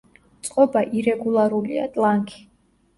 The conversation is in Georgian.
წყობა ირეგულარულია, ტლანქი.